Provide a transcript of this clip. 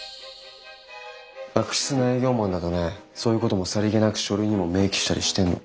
悪質な営業マンだとねそういうこともさりげなく書類にも明記したりしてんの。